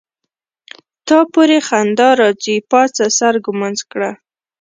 تا پوری خندا راځي پاڅه سر ګمنځ کړه.